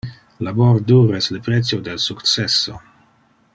Labor dur es le precio del successo.